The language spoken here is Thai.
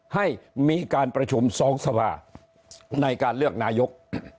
ให้มีการประชุม๒สภาในการเลือกนายก